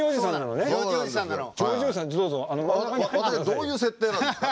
どういう設定なんですか？